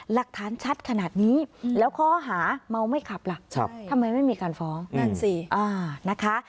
หลักฐานชัดขนาดนี้แล้วข้อหาเมาไม่ขับล่ะทำไมไม่มีการฟ้องนั่นสินะคะ